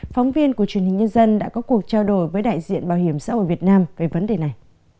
phóng viên của truyền hình nhân dân đã có cuộc trao đổi với đại diện bảo hiểm xã hội việt nam về vấn đề này